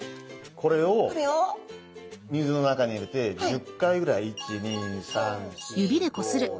これを水の中に入れて１０回ぐらい。